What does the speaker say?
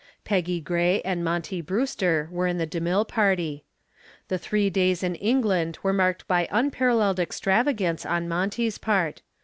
Peggy Gray and Monty Brewster were in the DeMille party. The three days in England were marked by unparalleled extravagance on Monty's part.